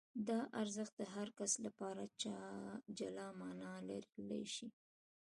دا ارزښت د هر کس لپاره جلا مانا لرلای شي.